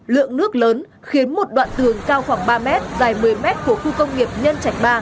lượng nước lớn khiến một đoạn tường cao khoảng ba mét dài một mươi mét của khu công nghiệp nhân trạch ba